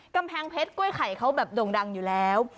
กำแพงเพชรกล้วยไข่เขาแบบโด่งดังอยู่แล้ว